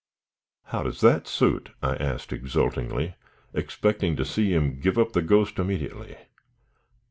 "How does that suit?" I asked exultingly, expecting to see him give up the ghost immediately.